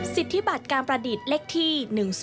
สิทธิบัตรการประดิษฐ์เลขที่๑๐